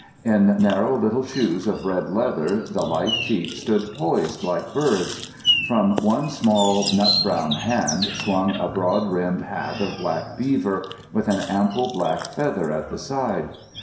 In narrow little shoes of red leather the light feet stood poised like birds'. From one small nut brown hand swung a broad brimmed hat of black beaver, with an ample black feather at the side.